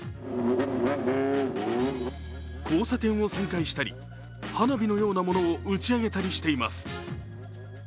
交差点を旋回したり花火のようなものを打ち上げたりしています。